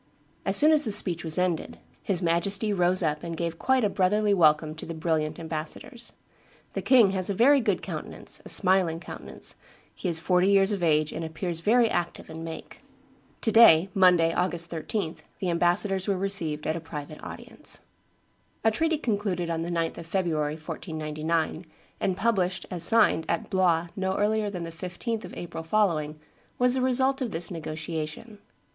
As soon as the speech was ended, his Majesty rose up and gave quite a brotherly welcome to the brilliant ambassadors. The king has a very good countenance, a smiling countenance; he is forty years of age, and appears very active in make. To day, Monday, August 13, the ambassadors were received at a private audience." [Illustration: Louis XII 310] A treaty concluded on the 9th of February, 1499, and published as signed at Blois no earlier than the 15th of April following, was the result of this negotiation.